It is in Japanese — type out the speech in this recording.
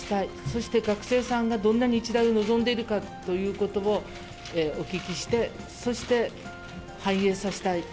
そして学生さんがどんな日大を望んでるかということをお聞きして、そして反映させたい。